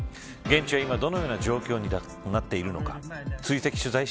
現地は今どのような状況になっているのか。